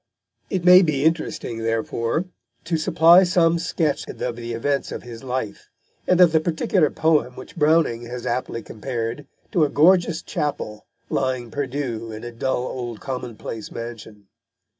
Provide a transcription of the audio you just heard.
It may be interesting, therefore, to supply some sketch of the events of his life, and of the particular poem which Browning has aptly compared to a gorgeous chapel lying perdue in a dull old commonplace mansion.